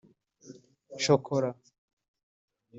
chocola